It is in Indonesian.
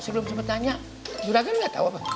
sebelum sempat tanya juragan nggak tahu apa